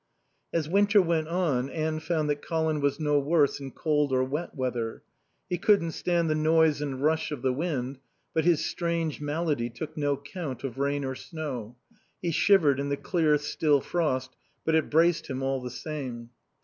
As winter went on Anne found that Colin was no worse in cold or wet weather. He couldn't stand the noise and rush of the wind, but his strange malady took no count of rain or snow. He shivered in the clear, still frost, but it braced him all the same.